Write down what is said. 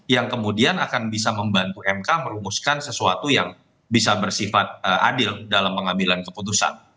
yang kemudian akan bisa membantu mk merumuskan sesuatu yang bisa bersifat adil dalam pengambilan keputusan